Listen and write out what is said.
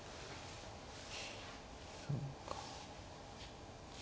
そうか。